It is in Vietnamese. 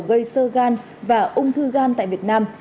gây sơ gan và ung thư gan tại việt nam